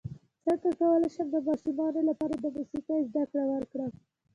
څنګه کولی شم د ماشومانو لپاره د موسیقۍ زدکړه ورکړم